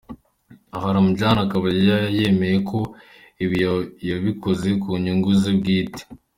Aha Ramjaane akaba yemeye ko ibi yabikoze mu nyungu ze bwite.